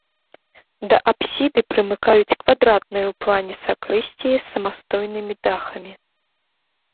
Да апсіды прымыкаюць квадратныя ў плане сакрысціі з самастойнымі дахамі.